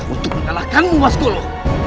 untuk menyalahkanmu mas kolo